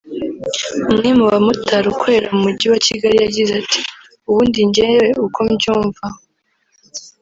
umwe mu bamotari ukorera mu Mujyi wa Kigali yagize ati“Ubundi njyewe uko mbyumva